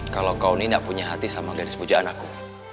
kalau kau ini gak punya hati sama garis pujaan aku